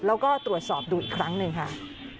แล้วก็ตรวจสอบดูอีกครั้งหนึ่งค่ะ